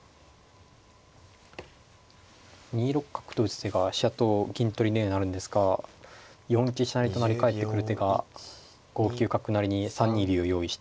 ２六角と打つ手が飛車と銀取りにはなるんですが４一飛車成と成りかえってくる手が５九角成に３二竜を用意して。